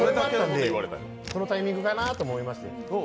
そのタイミングかなと思いまして。